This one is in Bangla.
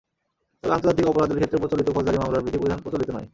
তবে আন্তর্জাতিক অপরাধের ক্ষেত্রে প্রচলিত ফৌজদারি মামলার বিধি বিধান প্রচলিত নয়।